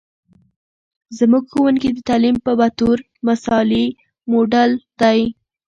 زموږ ښوونکې د تعلیم په بطور مثالي موډل دی.